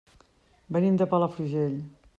Venim de Palafrugell.